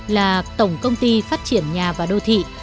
là tổng công ty phát triển nhà và đô thị